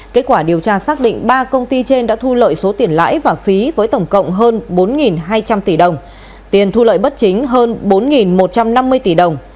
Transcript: kết quả điều tra xác định ba công ty trên đã thu lợi số tiền lãi và phí với tổng cộng hơn bốn hai trăm linh tỷ đồng tiền thu lợi bất chính hơn bốn một trăm năm mươi tỷ đồng